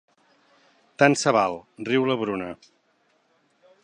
Tant se val, riu la Bruna.